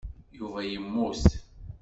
Yuba yemmut.